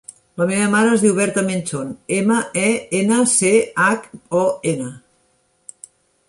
La meva mare es diu Berta Menchon: ema, e, ena, ce, hac, o, ena.